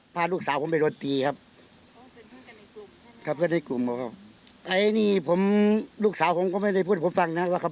เพื่อนกับที่ว่าพาลูกสาวผมไปโดดตีครับ